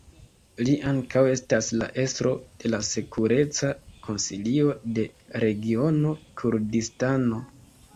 Li ankaŭ estas la estro de la Sekureca Konsilio de Regiono Kurdistano.